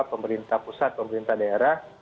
pemerintah pusat pemerintah daerah